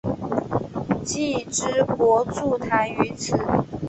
既之国筑台于此。